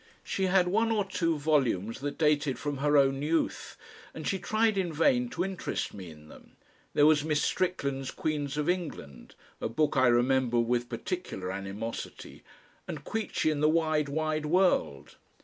She had one or two volumes that dated from her own youth, and she tried in vain to interest me in them; there was Miss Strickland's QUEENS OF ENGLAND, a book I remember with particular animosity, and QUEECHY and the WIDE WIDE WORLD.